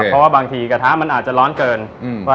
เพราะว่าบางทีกระทะมันอาจจะร้อนเกิน